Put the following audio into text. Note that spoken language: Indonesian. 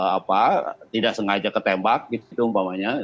apa tidak sengaja ketembak gitu itu umpamanya